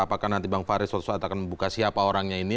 apakah nanti bang farid suatu saat akan membuka siapa orangnya ini